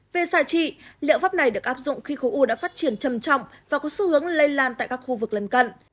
về xài trị liệu pháp này được áp dụng khi khối u đã phát triển chầm trọng và có xu hướng lây lan tại các khu vực lân cận